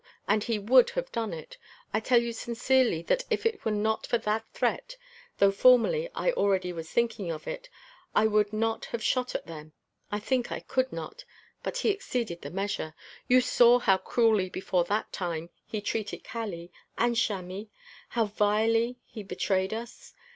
And he would have done it. I tell you sincerely that if it were not for that threat, though formerly I already was thinking of it, I would not have shot at them. I think I could not But he exceeded the measure. You saw how cruelly before that time he treated Kali. And Chamis? How vilely he betrayed us.